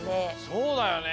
そうだよね。